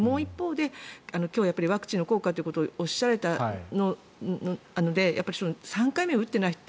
もう一方でワクチンの効果があるということもおっしゃっていただいたので３回目を打っていない人。